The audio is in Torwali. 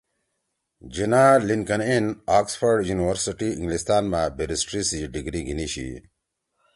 جناح لِنکَن اِن، آکسفورڈ یُونیورسیٹی اِنگلستان ما بیریسٹری سی ڈگری گھیِنی شی